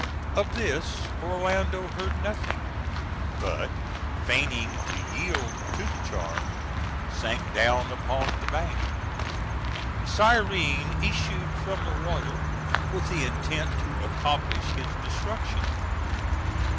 Of this Orlando heard nothing, but, feigning to yield to the charm, sank down upon the bank. The siren issued from the water with the intent to accomplish his destruction.